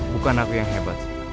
bukan aku yang hebat